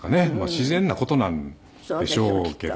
自然な事なんでしょうけどね。